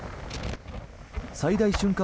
最大瞬間